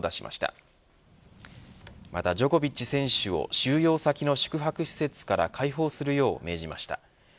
またジョコビッチ選手を収容先の宿泊施設から解放するよう命じました。